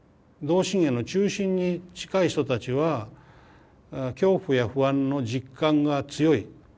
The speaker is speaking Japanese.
同心円の中心に近い人たちは恐怖や不安の実感が強い。